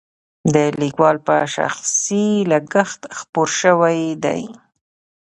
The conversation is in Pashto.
د لیکوال په شخصي لګښت خپور شوی دی.